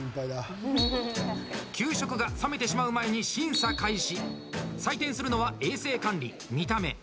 給食が冷めてしまう前に審査開始。